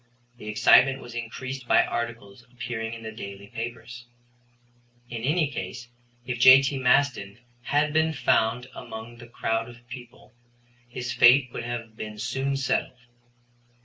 The excitement was increased by articles appearing in the daily papers. In any case, if J.T. Maston had been found among the crowd of people, his fate would have been soon settled.